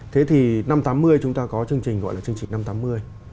thế thì năm tám mươi chúng ta có chương trình gọi là chương trình năm trăm tám mươi